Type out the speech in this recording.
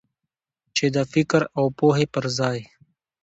چې د فکر او پوهې پر ځای.